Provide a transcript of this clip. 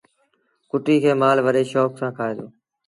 ڪُٽي کي مآل وڏي شوڪ سآݩ کآئي دو۔